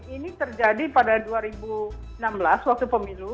ini terjadi pada dua ribu enam belas waktu pemilu